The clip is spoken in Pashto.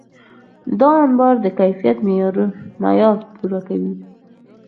دا انبار د کیفیت معیار پوره کوي.